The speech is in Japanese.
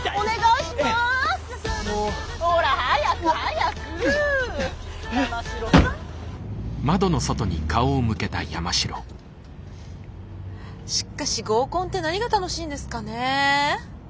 しかし合コンって何が楽しいんですかね。